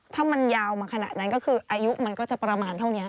ถ้ามันยาวมาขนาดนั้นก็คืออายุมันก็จะประมาณเท่านี้